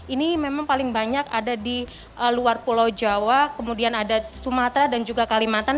ini memang paling banyak ada di luar pulau jawa kemudian ada sumatera dan juga kalimantan